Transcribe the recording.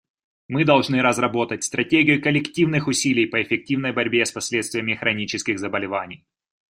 Мы должны разработать стратегию коллективных усилий по эффективной борьбе с последствиями хронических заболеваний.